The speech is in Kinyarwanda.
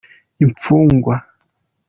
imfugwa.